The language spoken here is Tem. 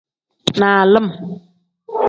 Nalim.